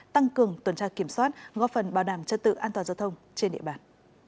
tăng cường tuần tra kiểm soát góp phần bảo đảm chất tự an toàn giao thông trên địa bàn